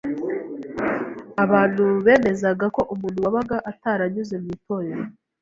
Abantu bemezaga ko umuntu wabaga ataranyuze mu Itorero